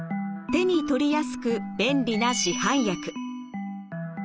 手に取りやすく便利な市販薬。